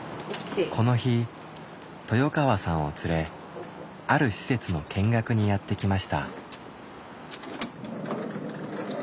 この日豊川さんを連れある施設の見学にやって来ました。